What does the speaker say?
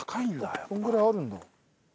そのぐらいあるんだ。